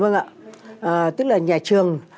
vâng ạ tức là nhà trường